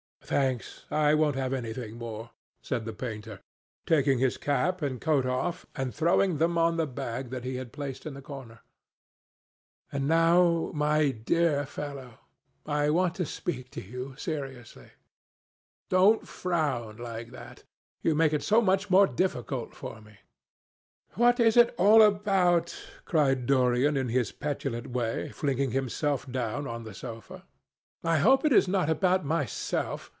"Thanks, I won't have anything more," said the painter, taking his cap and coat off and throwing them on the bag that he had placed in the corner. "And now, my dear fellow, I want to speak to you seriously. Don't frown like that. You make it so much more difficult for me." "What is it all about?" cried Dorian in his petulant way, flinging himself down on the sofa. "I hope it is not about myself.